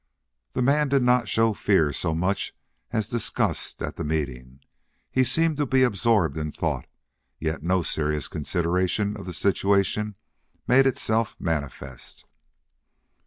The man did not show fear so much as disgust at the meeting. He seemed to be absorbed in thought, yet no serious consideration of the situation made itself manifest.